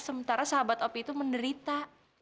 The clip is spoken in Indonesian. sementara sahabat op itu menderita